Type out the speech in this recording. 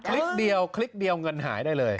ลิกเดียวคลิกเดียวเงินหายได้เลย